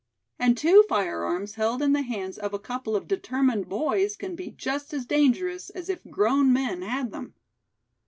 And two firearms held in the hands of a couple of determined boys can be just as dangerous as if grown men had them.